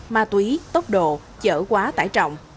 ma túy tốc độ chở quá tải trọng